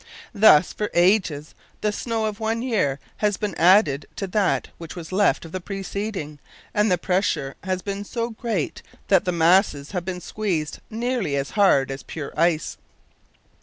Thus, for ages, the snow of one year has been added to that which was left of the preceding, and the pressure has been so great that the mass has been squeezed nearly as hard as pure ice.